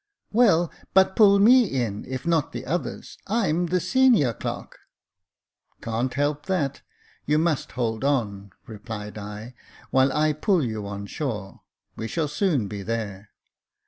"Well, but pull me in, if not the others. I'm the senior clerk." " Can't help that ; you must hold on," replied I, " while I pull you on shore ; we shall soon be there."